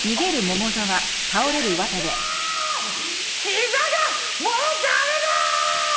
膝がもう駄目だ！